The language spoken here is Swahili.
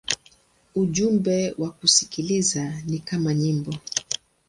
Ujumbe wa kusikiliza ni kama nyimbo.